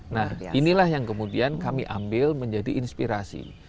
nah inilah yang kemudian kami ambil menjadi inspirasi